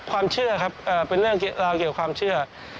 ความเชื่อครับเป็นเรื่องราวเกี่ยวความเชื่อ